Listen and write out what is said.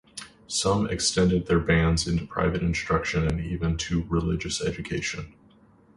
Some extended their bans into private instruction and even to religious education.